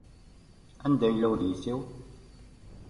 Anda yella udlis-iw?